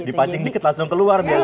dipacing dikit langsung keluar biasa gitu